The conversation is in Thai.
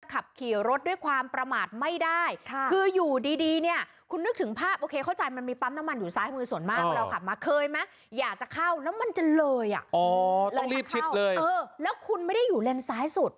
ขับขี่รถด้วยความประมาทไม่ได้คืออยู่ดีเนี่ยคุณนึกถึงภาพโอเคเข้าใจมันมีปั๊มน้ำมันอยู่ซ้ายมือส่วนมากเวลาขับมาเคยไหมอยากจะเข้าน้ำมันจะเลยอ่ะรีบชิดเลยเออแล้วคุณไม่ได้อยู่เลนซ้ายสุด